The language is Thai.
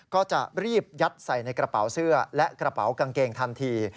ก็จะรีบยัดใส่ในกระเป๋าเสื้อและกระเป๋ากางเกงทันที